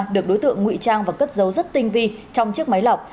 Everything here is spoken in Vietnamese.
được đối tượng ngụy trang và cất dấu rất tinh vi trong chiếc máy lọc